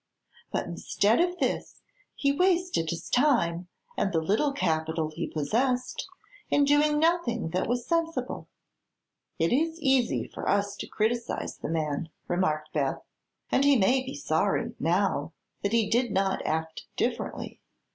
But instead of this he wasted his time and the little capital he possessed in doing nothing that was sensible." "It is easy for us to criticise the man," remarked Beth, "and he may be sorry, now, that he did not act differently.